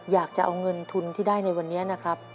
อยากจะเอาเงินทุนที่ได้ในวันนี้นะครับ